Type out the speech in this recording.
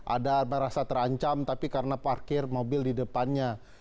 ada merasa terancam tapi karena parkir mobil di depannya